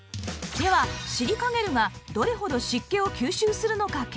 ではシリカゲルがどれほど湿気を吸収するのか検証！